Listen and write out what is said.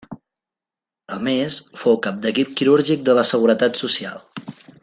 A més, fou cap d’equip quirúrgic de la Seguretat Social.